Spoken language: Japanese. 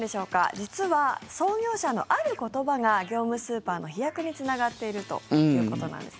実は、創業者のある言葉が業務スーパーの飛躍につながっているということです。